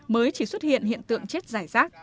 mới chỉ xuất hiện hiện tượng chết giải rác